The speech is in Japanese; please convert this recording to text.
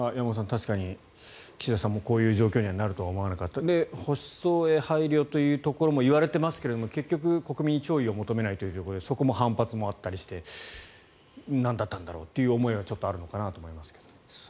確かに岸田さんもこういう状況になるとは思わなかった保守層へ配慮ということも言われていますが結局、国民に弔意を求めないということでそこも反発もあったりしてなんだったんだろうという思いはちょっとあるのかなと思いますが。